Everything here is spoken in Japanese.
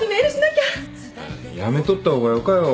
やめとった方がよかよ。